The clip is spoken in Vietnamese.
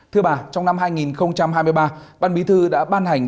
thưa bà trong năm hai nghìn hai mươi ba ban bí thư đã ban hành